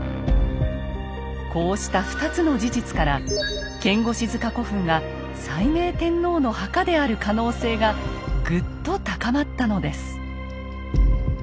こうした２つの事実から牽牛子塚古墳が斉明天皇の墓である可能性がぐっと高まったのです。